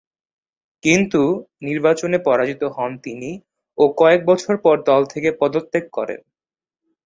কিন্তু, নির্বাচনে পরাজিত হন তিনি ও কয়েকবছর পর দল থেকে পদত্যাগ করেন।